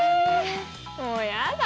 もうやだ。